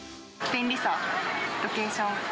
便利さ、ロケーション。